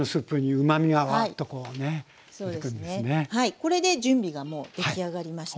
これで準備がもう出来上がりました。